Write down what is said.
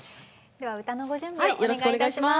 では歌のご準備をお願いいたします。